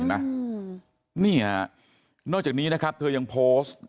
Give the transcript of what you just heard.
นี่ฮะนอกจากนี้นะครับเธอยังโพสต์